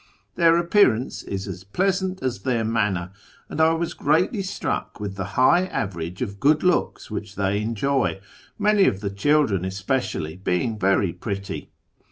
Their appearance is as pleasant as their manner, and I was greatly struck with the high average of good looks which they enjoy, many of the children especially being very pretty.